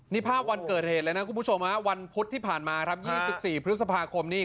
นี่ภาพวันเกิดเหตุเลยนะคุณผู้ชมวันพุธที่ผ่านมาครับ๒๔พฤษภาคมนี่